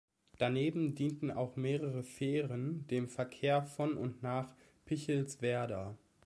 Daneben dienten auch mehrere Fähren dem Verkehr von und nach Pichelswerder.